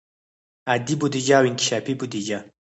عادي بودیجه او انکشافي بودیجه.